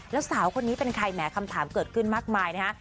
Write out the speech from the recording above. แล้วสาวคนนี้เป็นใครแหมคำถามเกิดขึ้นมากมายนะฮะ